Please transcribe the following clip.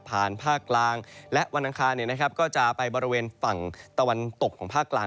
ภาคกลางและวันอังคารก็จะไปบริเวณฝั่งตะวันตกของภาคกลาง